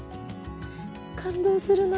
感動するな。